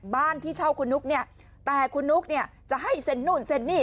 บ้านที่เช่าคุณนุ๊กแต่คุณนุ๊กจะให้เซ็นนู่นเซ็นนี่